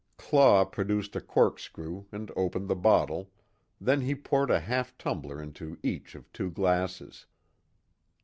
Claw produced a corkscrew and opened the bottle, then he poured a half tumbler into each of two glasses.